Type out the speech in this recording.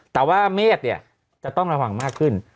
แต่ว่าเมฆเนี่ยจะต้องระวังมากขึ้น